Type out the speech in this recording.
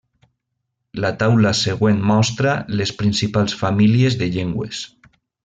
La taula següent mostra les principals famílies de llengües.